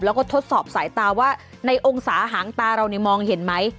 แล้วก็ทดสอบสายตาว่าในองศาหางตาเรามองเห็นไหม